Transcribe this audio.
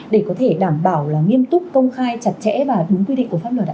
để đảm bảo nghiêm túc công khai chặt chẽ và đúng quy định của pháp luật